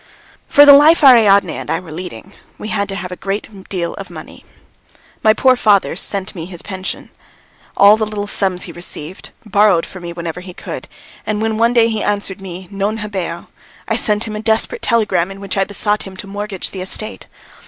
For the life Ariadne and I were leading, we had to have a great deal of money. My poor father sent me his pension, all the little sums he received, borrowed for me wherever he could, and when one day he answered me: "Non habeo," I sent him a desperate telegram in which I besought him to mortgage the estate.